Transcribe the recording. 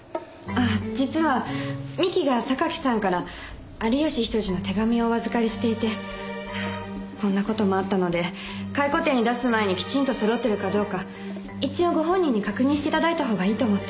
あ実は三木が榊さんから有吉比登治の手紙をお預かりしていてこんなこともあったので回顧展に出す前にきちんとそろっているかどうか一応ご本人に確認していただいた方がいいと思って。